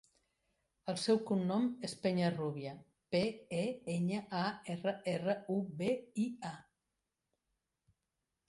El seu cognom és Peñarrubia: pe, e, enya, a, erra, erra, u, be, i, a.